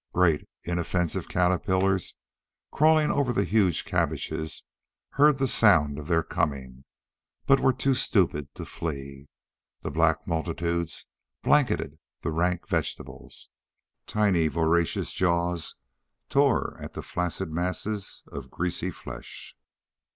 Great, inoffensive caterpillars crawling over the huge cabbages heard the sound of their coming, but were too stupid to flee. The black multitudes blanketed the rank vegetables. Tiny, voracious jaws tore at the flaccid masses of greasy flesh.